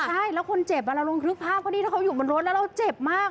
ใช่แล้วคนเจ็บอ่ะเราลงคลิปภาพพอันนี้แล้วเขาอยู่บนรถแล้วเราเจ็บมาก